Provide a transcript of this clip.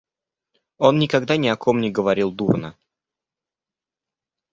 Он никогда ни о ком не говорил дурно.